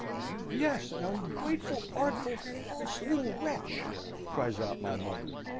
"'Yes, an ungrateful, artful, false, little wretch!' cries out my mother.